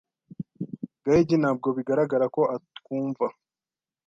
Gahigi ntabwo bigaragara ko atwumva.